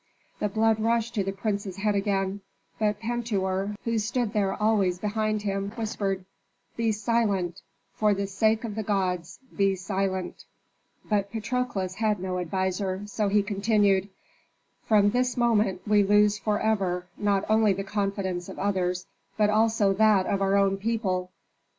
The blood rushed to the prince's head again, but Pentuer, who stood there always behind him, whispered, "Be silent, for the sake of the gods, be silent." But Patrokles had no adviser, so he continued, "From this moment we lose forever, not only the confidence of others, but also that of our own people.